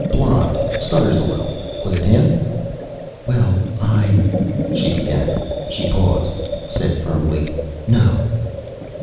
Blond, stutters a little. Was it him?" "Well, I " she began. She paused, said firmly, "No."